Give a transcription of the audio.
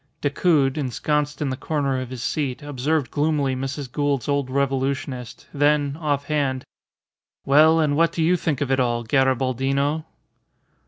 Decoud, ensconced in the corner of his seat, observed gloomily Mrs. Gould's old revolutionist, then, offhand "Well, and what do you think of it all, Garibaldino?"